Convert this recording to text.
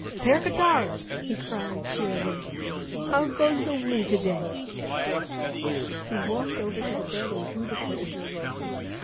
"Père Cottard!" he cried cheerily, "how goes the wound to day?" He walked over to the bed and drew the curtains.